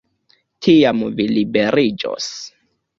Tiam vi liberiĝos.